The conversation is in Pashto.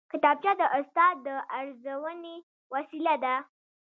کتابچه د استاد د ارزونې وسیله ده